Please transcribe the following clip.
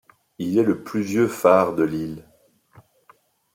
Il est le plus vieux phare de l'île.